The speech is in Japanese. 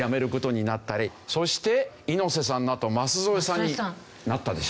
そして猪瀬さんのあと舛添さんになったでしょ。